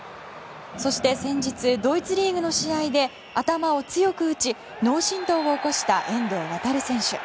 そして先日ドイツリーグの試合で頭を強く打ち脳震とうを起こした遠藤航選手。